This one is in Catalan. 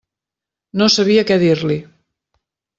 No sabia què dir-li.